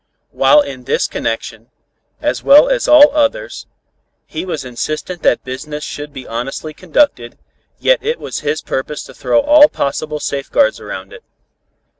While in this connection, as well as all others, he was insistent that business should be honestly conducted, yet it was his purpose to throw all possible safeguards around it.